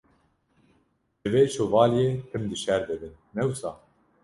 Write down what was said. Divê Şovalye tim di şer de bin, ne wisa?